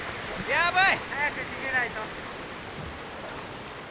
やばい！